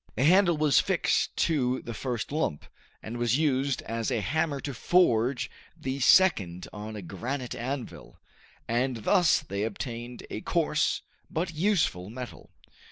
A handle was fixed to the first lump, and was used as a hammer to forge the second on a granite anvil, and thus they obtained a coarse but useful metal.